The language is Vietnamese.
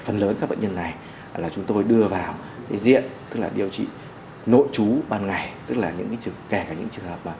phần lớn các bệnh nhân này là chúng tôi đưa vào diện tức là điều trị nội trú ban ngày tức là kể cả những trường hợp